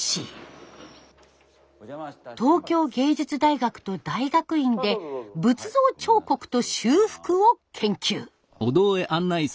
東京藝術大学と大学院で仏像彫刻と修復を研究。